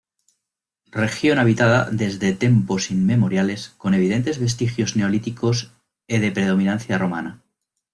Región habitada desde tempos inmemoriales, con evidentes vestigios neolíticos e de predominancia romana.